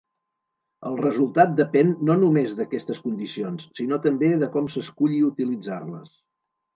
El resultat depèn no només d'aquestes condicions sinó també de com s'esculli utilitzar-les.